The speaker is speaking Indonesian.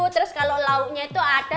terus kalau lauknya itu ada